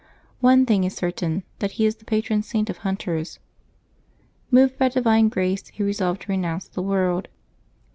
One thing is certain : that he is the patron saint of hunters. Moved by divine grace, he resolved to renounce the world.